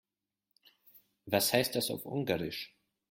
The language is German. Was heißt das auf Ungarisch?